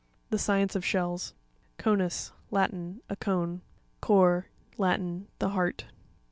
The science of shells. Co'nus.—Latin. A cone. Cor.—Latin. The heart.